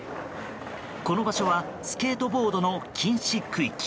この場所はスケートボードの禁止区域。